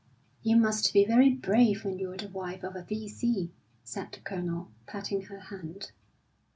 "You must be very brave when you're the wife of a V.C.," said the Colonel, patting her hand.